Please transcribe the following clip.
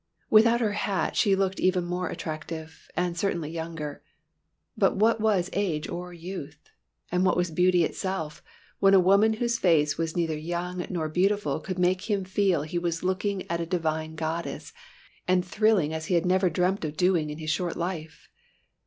Without her hat she looked even more attractive, and certainly younger. But what was age or youth? And what was beauty itself, when a woman whose face was neither young nor beautiful could make him feel he was looking at a divine goddess, and thrilling as he had never dreamt of doing in his short life?